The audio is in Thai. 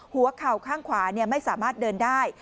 หัวเข่าข้างขวาไม่สามารถเดินได้